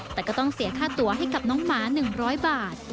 แต่ก็ต้องเสียค่าตัวให้กับน้องหมา๑๐๐บาท